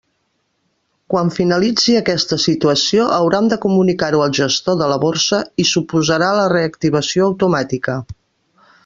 Quan finalitzi aquesta situació hauran de comunicar-ho al gestor de la borsa i suposarà la reactivació automàtica.